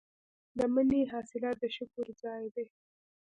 د مني حاصلات د شکر ځای دی.